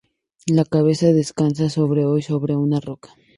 La cabeza descansa sobre hoy sobre una roca.